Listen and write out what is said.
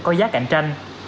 có giá cạnh tranh